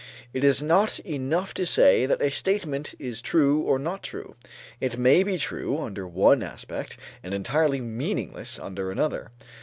It is not enough to say that a statement is true or not true. It may be true under one aspect and entirely meaningless under another.